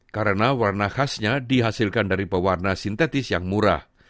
karena warna khasnya dihasilkan dari pewarna sintetis yang murah